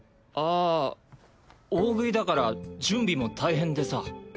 ああ大喰いだから準備も大変でさ。